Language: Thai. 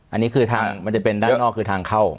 อันนี้คือทางมันจะเป็นด้านนอกคือทางเข้า